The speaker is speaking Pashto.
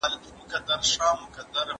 وانواتو د ساتنې په لومړیتوب کې دی.